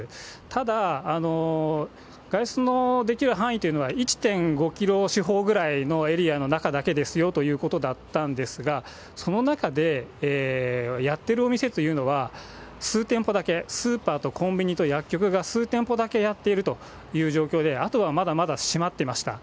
ただ外出のできる範囲というのは、１．５キロ四方ぐらいのエリアの中だけですよということだったんですが、その中で、やっているお店というのは、数店舗だけ、スーパーとコンビニと薬局が数店舗だけやっているという状況で、あとはまだまだ閉まっていました。